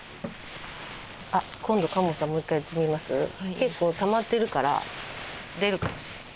結構たまってるから出るかも。